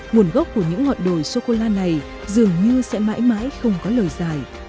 nguồn gốc của những ngọn đồi sô cô la này dường như sẽ mãi mãi không có lời giải